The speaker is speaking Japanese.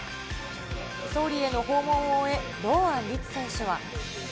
総理への訪問を終え、堂安律選手は。